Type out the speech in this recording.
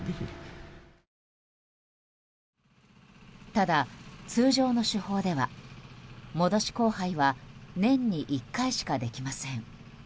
ただ、通常の手法では戻し交配は年に１回しかできません。